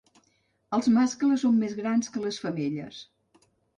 Els mascles són més grans que les femelles.